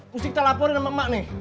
mesti kita laporin sama emak nih